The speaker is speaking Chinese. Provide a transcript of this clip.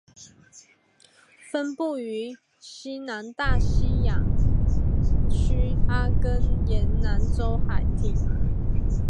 分布于西南大西洋区阿根廷南部海域。